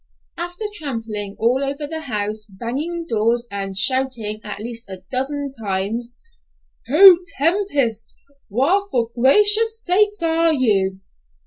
After tramping all over the house, banging doors and shouting at least a dozen times, "Ho, Tempest, whar for gracious sakes are you?"